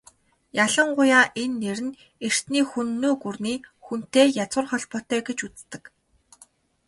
Ялангуяа энэ нэр нь эртний Хүннү гүрний "Хүн"-тэй язгуур холбоотой гэж үздэг.